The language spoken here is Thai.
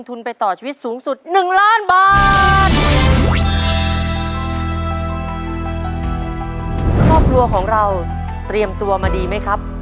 ครอบครัวของเราเตรียมตัวมาดีไหมครับ